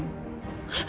あっ。